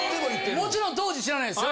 ・もちろん当時知らないっすよ。